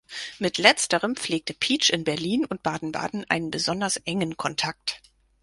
Mit Letzterem pflegte Pietsch in Berlin und Baden-Baden einen besonders engen Kontakt.